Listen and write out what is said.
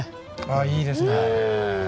ああいいですね。